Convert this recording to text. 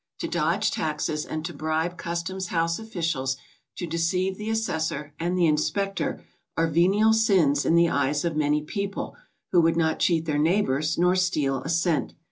To dodge taxes and to bribe customs house officials, to deceive the assessor and the inspector, are venial sins in the eyes of many people who would not cheat their neighbors nor steal a cent.